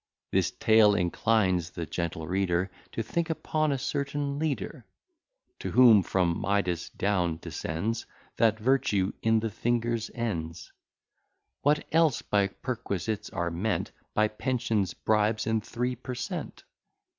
This tale inclines the gentle reader To think upon a certain leader; To whom, from Midas down, descends That virtue in the fingers' ends. What else by perquisites are meant, By pensions, bribes, and three per cent.?